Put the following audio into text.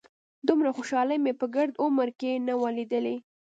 دومره خوشالي مې په ګرد عمر کښې نه وه ليدلې.